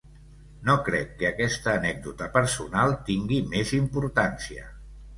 No crec que aquesta anècdota personal tingui més importància.